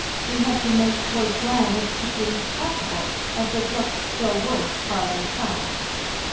We had to make towards land as quickly as possible, as it looked still worse farther south.